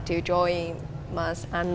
apakah kamu ingin